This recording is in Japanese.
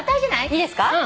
いいですか？